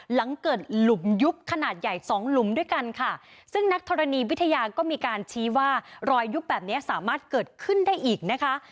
หลังเกิดหลุมยุบขนาดใหญ่สองหลุมด้วยกันค่ะซึ่งนักธรณีวิทยาก็มีการชี้ว่ารอยยุบแบบเนี้ยสามารถเกิดขึ้นได้อีกนะคะ